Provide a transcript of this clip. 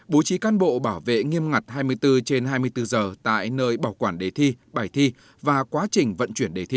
bố trí cán bộ bảo vệ nghiêm ngặt hai mươi bốn trên hai mươi bốn giờ tại nơi bảo quản đề thi bài thi và quá trình vận chuyển đề thi